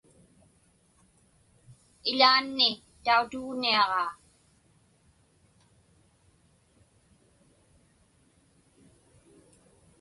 Iḷaanni tautugniaġaa.